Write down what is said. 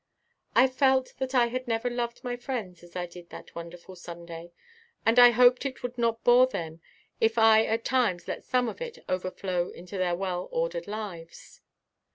I felt that I had never loved my friends as I did that wonderful Sunday, and I hoped it would not bore them if I at times let some of it overflow into their well ordered lives.